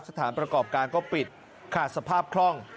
สถานประกอบการก็ปิดขาดสภาพคล่อง